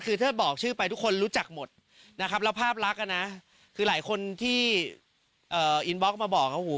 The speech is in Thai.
คือถ้าบอกชื่อไปทุกคนรู้จักหมดนะครับแล้วภาพลักษณ์คือหลายคนที่อินบล็อกมาบอกเขาหู